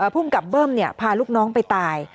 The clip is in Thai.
ผู้กำกับเบิ้มเนี่ยพาลูกน้องไปตาย